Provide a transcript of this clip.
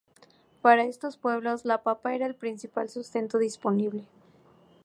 Para estos pueblos la papa era el principal sustento disponible.